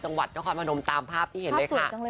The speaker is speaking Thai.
จังหวัดนครพนมตามภาพที่เห็นเลยค่ะ